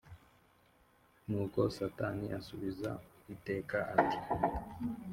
Nuko Satani asubiza Uwiteka ati